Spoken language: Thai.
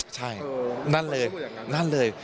ใช่นั่นเลยนั่นเลย